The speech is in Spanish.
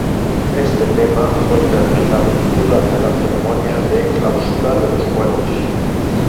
Este tema fue interpretado durante la ceremonia de clausura de los Juegos.